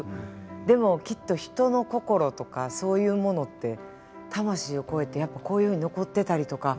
でもきっと人の心とかそういうものって魂を超えてやっぱりこういうふうに残ってたりとか。